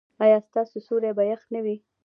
ایا ستاسو سیوري به يخ نه وي؟